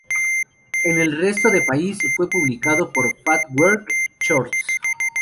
En el resto de países fue publicado por Fat Wreck Chords.